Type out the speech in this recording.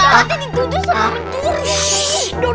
nanti dituduh sama menturi